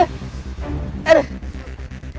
aduh aduh aduh